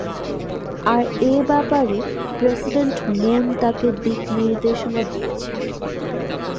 আর এ ব্যাপারে president Moon তাঁকে দিকনির্দেশনা দিয়েছেন।